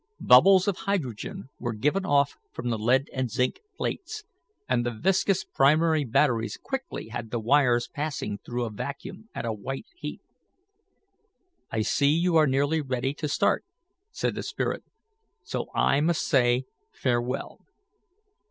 Bubbles of hydrogen were given off from the lead and zinc plates, and the viscous primary batteries quickly had the wires passing through a vacuum at a white heat. "I see you are nearly ready to start," said the spirit, "so I must say farewell."